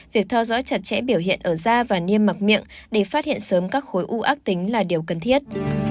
việc theo dõi chặt chẽ biểu hiện ở da và niêm mạc miệng để phát hiện sớm các khối u ác tính là điều cần thiết